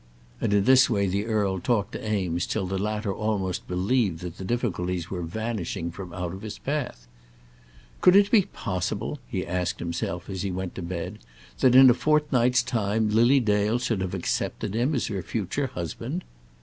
And in this way the earl talked to Eames till the latter almost believed that the difficulties were vanishing from out of his path. "Could it be possible," he asked himself, as he went to bed, "that in a fortnight's time Lily Dale should have accepted him as her future husband?"